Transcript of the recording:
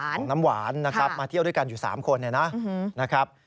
น้ำหวานนะครับมาเที่ยวด้วยกันอยู่๓คนนะครับ